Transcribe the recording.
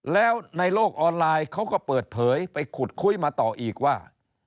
แล้วในโลกออนไลน์เขาก็เปิดเผยไปขุดคุยมาต่ออีกว่า